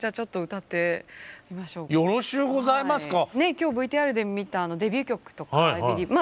今日ＶＴＲで見たデビュー曲とか「Ｉｂｅｌｉｅｖｅ」